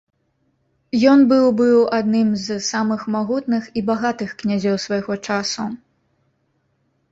Ён быў быў адным з самых магутных і багатых князёў свайго часу.